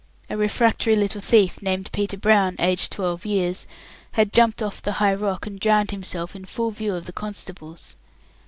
A refractory little thief named Peter Brown, aged twelve years, had jumped off the high rock and drowned himself in full view of the constables.